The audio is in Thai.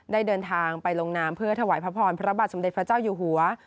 ได้เดินทางไปลงนามเพื่อถวายพระพรพระบาทสมเด็จพระเจ้าอยู่หัว